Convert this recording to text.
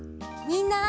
みんな！